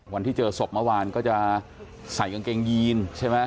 วันที่เจอศพเมื่อวานก็จะใส่กางเกงยีนใช่ไหม